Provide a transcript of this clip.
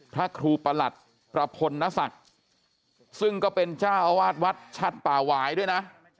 พระครูประหลัดประพลนศักดิ์ซึ่งก็เป็นเจ้าอาวาสวัดชัดป่าหวายด้วยนะ